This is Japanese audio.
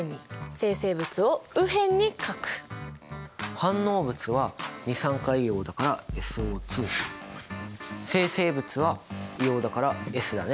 反応物は二酸化硫黄だからＳＯ生成物は硫黄だからＳだね。